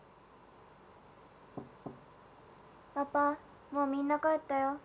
パパもうみんな帰ったよ。